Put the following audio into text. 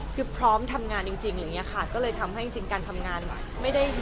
คือพร้อมทำงานจริงค่ะก็เลยทำให้จริงการทำงานไม่ได้